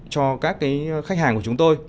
cho các cái khách hàng của chúng tôi